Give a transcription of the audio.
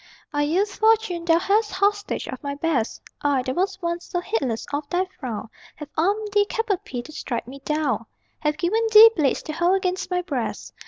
Aye, Fortune, thou hast hostage of my best! I, that was once so heedless of thy frown, Have armed thee cap Ã pie to strike me down, Have given thee blades to hold against my breast.